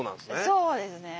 そうですね。